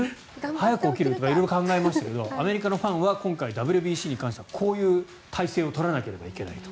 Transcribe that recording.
早く起きる？とか色々考えましたけどアメリカのファンは今回、ＷＢＣに関してはこういう体制を取らなければいけないと。